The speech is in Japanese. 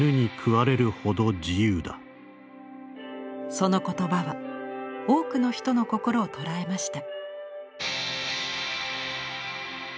その言葉は多くの人の心を捉えました。